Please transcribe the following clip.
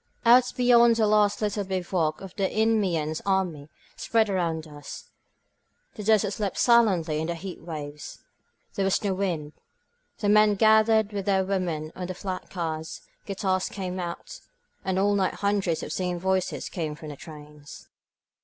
Out beyond the last little bivouac of the inmiense army spread around us, the desert slept silently in the heat waves. There was no wind. The men gathered with their women on the flat cars, guitars came out, and all night hundreds of singing voices came from the trains.